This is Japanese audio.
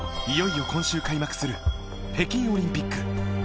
いよいよ今週開幕する北京オリンピック。